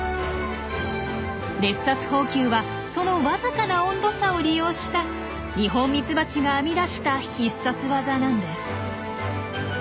熱殺蜂球はそのわずかな温度差を利用したニホンミツバチが編み出した必殺技なんです。